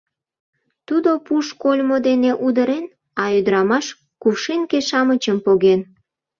Тудо пуш кольмо дене удырен, а ӱдырамаш кувшинке-шамычым поген.